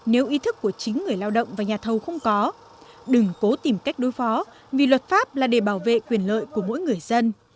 nếu ý thức của chính người lao động và nhà thầu không có đừng cố tìm cách đối phó vì luật pháp là để bảo vệ quyền lợi của mỗi người dân